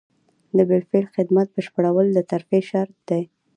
د بالفعل خدمت بشپړول د ترفیع شرط دی.